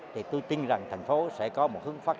thì tôi tin rằng thành phố sẽ có một chương trình đột phá